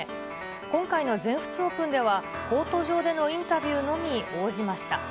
今回の全仏オープンでは、こーとじょうでのいんびゅーのみ応じました。